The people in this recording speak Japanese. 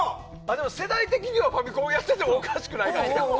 世代的にはファミコンやっててもおかしくないからね。